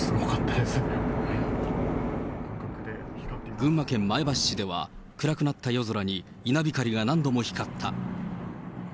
群馬県前橋市では、暗くなった夜空に稲光が何度も光った。